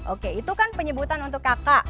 oke itu kan penyebutan untuk kakak